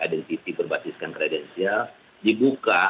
identitas berbasis kredensial dibuka